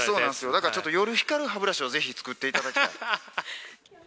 だから夜光る歯ブラシをぜひ作っていただきたい。